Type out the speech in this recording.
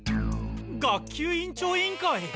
学級委員長委員会！